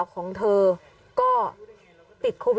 เบื้องต้น๑๕๐๐๐และยังต้องมีค่าสับประโลยีอีกนะครับ